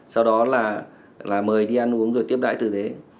sau đó là mời đi ăn uống rồi tiếp đãi từ thế